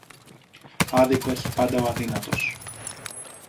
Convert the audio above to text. Άδικο έχει πάντα ο αδύνατος